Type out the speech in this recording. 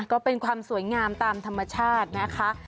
ก็เป็นความสวยงามตามธรรมชาตินะคะ